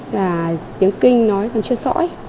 là tiếng kinh nói còn chưa sõi